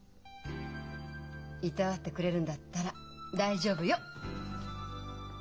いたわってくれるんだったら大丈夫よ。